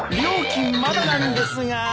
料金まだなんですが。